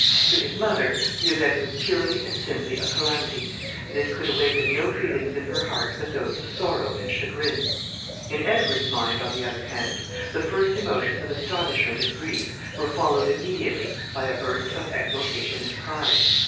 To his mother, the event was purely and simply a calamity, and it could awaken no feelings in her heart but those of sorrow and chagrin. In Edward's mind, on the other hand, the first emotions of astonishment and grief were followed immediately by a burst of exultation and pride.